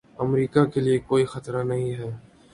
امریکا کے لیے کوئی خطرہ نہیں ہیں